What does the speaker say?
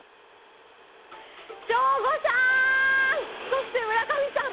そして、村上さん！